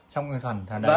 trong khoảng đấy